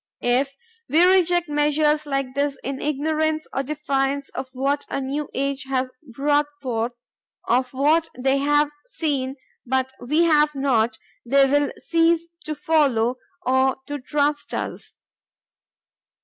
If we reject measures like this, in ignorance or defiance of what a new age has brought forth, of what they have seen but we have not, they will cease to follow or to trust us.